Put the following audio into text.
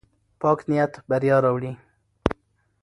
پاک نیت بریا راوړي.